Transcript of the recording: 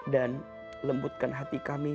dan lembutkan hati kami